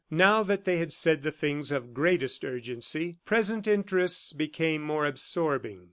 Now that they had said the things of greatest urgency, present interests became more absorbing.